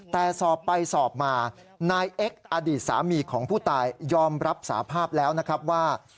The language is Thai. แต่สอบไปสอบมานายเอ็กซ์อดีตสามีของผู้ตายยอมรับสาภาพแล้วนะครับว่า